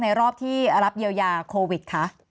รอบที่รับเยียวยาโควิดคะ